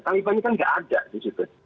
taliban kan tidak ada disitu